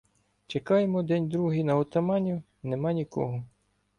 Чекаємо день-другий на отаманів — нема нікого.